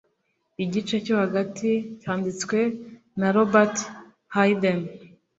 "igice cyo hagati" cyanditswe na robert hayden